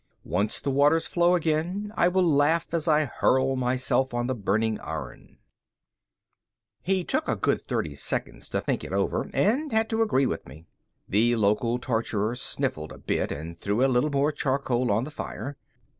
Once the waters flow again, I will laugh as I hurl myself on the burning iron." He took a good thirty seconds to think it over and had to agree with me. The local torturer sniffled a bit and threw a little more charcoal on the fire.